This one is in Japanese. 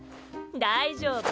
大丈夫。